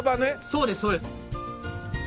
そうですそうです。